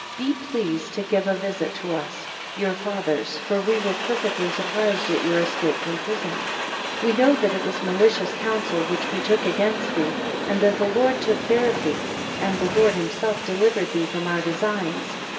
Be pleased to give a visit to us, your fathers, for we were perfectly surprised at your escape from prison. 9 We know that it was malicious counsel which we took against thee, and that the Lord took care of thee, and the Lord himself delivered thee from our designs.